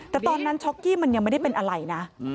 แต่ตอนนั้นช็อกกี้มันยังไม่ได้เป็นอะไรนะ